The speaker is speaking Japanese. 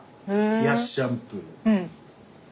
冷やしシャンプー。